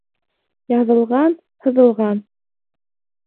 Яҙылған, һыҙылған.